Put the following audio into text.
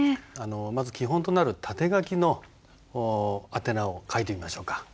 まず基本となる縦書きの宛名を書いてみましょうか。